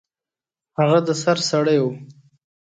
هغه د سر سړی و.